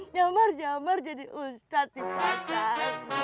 nyamar jamar jadi ustadz di pasar